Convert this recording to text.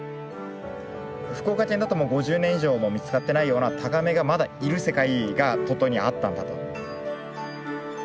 福岡県だともう５０年以上も見つかってないようなタガメがまだいる世界が鳥取にはあったんだと。